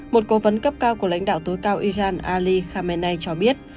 một cố vấn cấp cao của lãnh đạo tối cao iran ali khamenei cho biết